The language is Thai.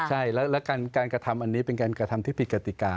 ใช่แล้วการกระทำอันนี้เป็นการกระทำที่ผิดกติกา